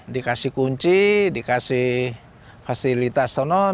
dikasih kunci dikasih fasilitas tonon